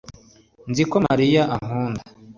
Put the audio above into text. nzi ko mariya ankunda